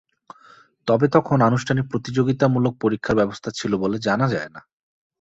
তবে তখন আনুষ্ঠানিক প্রতিযোগিতামূলক পরীক্ষার ব্যবস্থা ছিল বলে জানা যায় না।